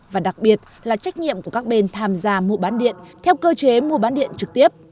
và đặc biệt là trách nhiệm của các bên tham gia mua bán điện theo cơ chế mua bán điện trực tiếp